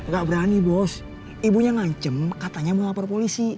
gak berani bos ibunya ngancem katanya mau lapor polisi